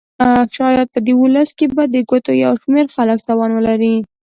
شاید په دې ولس کې به د ګوتو په شمېر خلک توان ولري.